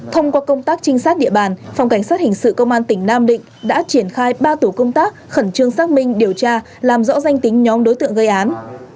thông qua công tác trinh sát địa bàn phòng cảnh sát hình sự công an tỉnh nam định đã triển khai ba tổ công tác khẩn trương xác minh điều tra làm rõ danh tính nhóm đối tượng gây án